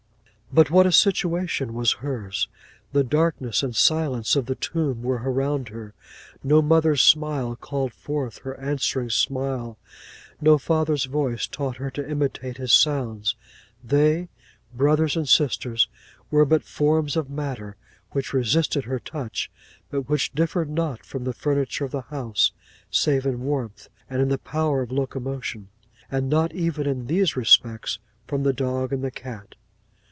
'But what a situation was hers! The darkness and the silence of the tomb were around her: no mother's smile called forth her answering smile, no father's voice taught her to imitate his sounds:—they, brothers and sisters, were but forms of matter which resisted her touch, but which differed not from the furniture of the house, save in warmth, and in the power of locomotion; and not even in these respects from the dog and the cat.